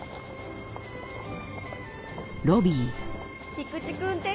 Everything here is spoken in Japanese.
菊池君って。